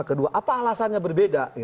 kedua apa alasannya berbeda